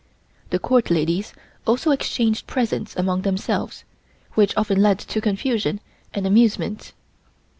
The Court ladies also exchanged presents among themselves, which often led to confusion and amusement.